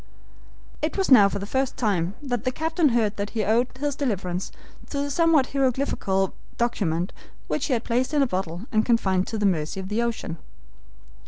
It was now for the first time that the captain heard that he owed his deliverance to the somewhat hieroglyphical document which he had placed in a bottle and confined to the mercy of the ocean.